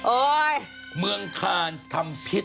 โอ๊ยเมืองคานทำผิด